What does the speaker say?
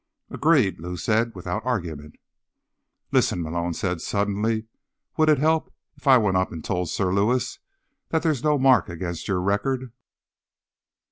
"Agreed," Lou said. "Without argument." "Listen," Malone said suddenly. "Would it help if I went up and told Sir Lewis that there's no mark against your record?"